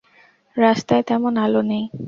রাস্তায় তেমন আলো নেই।